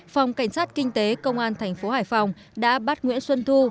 phòng cảnh sát kinh tế công an tp hải phòng đã bắt nguyễn xuân thu